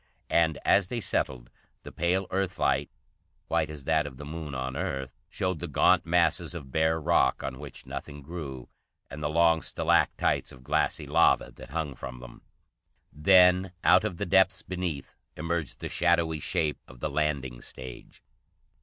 And, as they settled, the pale Earth light, white as that of the Moon on Earth, showed the gaunt masses of bare rock, on which nothing grew, and the long stalactites of glassy lava that hung from them. Then out of the depths beneath emerged the shadowy shape of the landing stage.